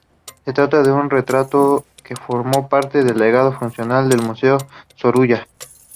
Se trata de un retrato que formó parte del legado fundacional del Museo Sorolla.